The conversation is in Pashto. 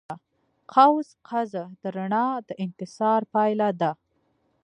قوس قزح د رڼا د انکسار پایله ده.